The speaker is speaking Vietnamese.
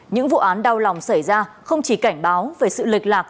những vụ án đau lòng xảy ra không chỉ cảnh báo về sự lệch lạc